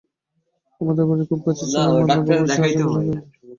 আমাদের বাড়ির খুব কাছেই ছিল মান্না বাবুর চাচা কৃষ্ণচন্দ্র দের বাড়ি।